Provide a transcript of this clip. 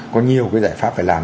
có nhiều cái giải pháp phải làm